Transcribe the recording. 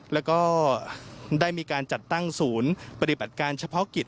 แล้วก็ได้มีการจัดตั้งศูนย์ปฏิบัติการเฉพาะกิจ